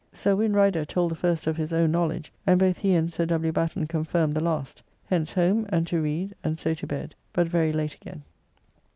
Sir Win. Rider told the first of his own knowledge; and both he and Sir W. Batten confirm the last. Hence home and to read, and so to bed, but very late again.